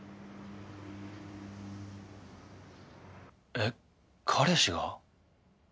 えっ彼氏が？